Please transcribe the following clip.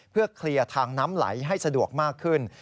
เพื่อเคลียร์ทางน้ำไหลให้สะดวกมากขึ้น